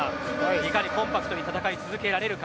いかにコンパクトに戦い続けられるか。